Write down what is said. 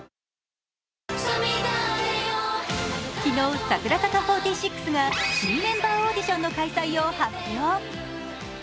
昨日、櫻坂４６が新メンバーオーディションの開催を発表。